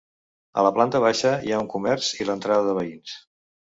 A la planta baixa hi ha un comerç i l'entrada de veïns.